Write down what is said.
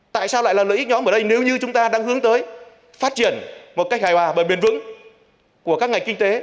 tại sao lại là lợi ích nhóm ở đây nếu như chúng ta đang hướng tới phát triển một cách hài hòa và bền vững của các ngành kinh tế